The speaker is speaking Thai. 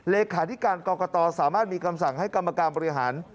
เลขาธิการกรกตสามารถมีคำสั่งให้กรรมการบริหาร